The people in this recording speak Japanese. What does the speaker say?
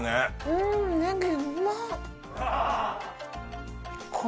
うんねぎうまっ